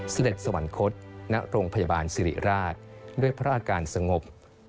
เสด็จสวรรคตณโรงพยาบาลสิริราชด้วยพระอาการสงบ